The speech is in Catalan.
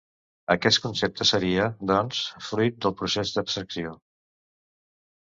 Aquest concepte seria, doncs, fruit del procés d'abstracció.